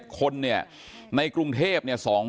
๒๙๑คนเนี่ยในกรุงเทพฯ๒๐๐